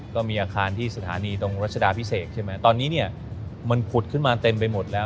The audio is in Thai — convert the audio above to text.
ก็มีอาคารที่สถานีตรงรัชดาพิเศษใช่ไหมตอนนี้เนี่ยมันผุดขึ้นมาเต็มไปหมดแล้ว